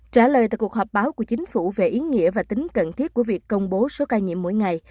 trả lời tại cuộc họp báo của chính phủ về ý nghĩa và tính cần thiết của việc công bố số ca nhiễm mỗi ngày